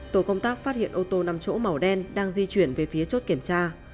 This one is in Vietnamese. tổ công tác phát hiện ô tô nằm chỗ màu đen đang di chuyển về phía chốt kiểm tra